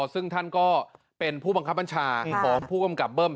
ซึ่งท่านก็เป็นผู้บังคับบัญชาของผู้กำกับเบิ้ม